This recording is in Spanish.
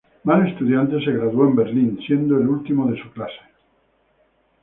Mal estudiante, se graduó en Berlín siendo el último de su clase.